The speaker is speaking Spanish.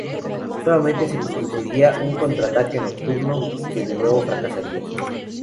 Nuevamente se produciría un contraataque nocturno, que de nuevo fracasaría.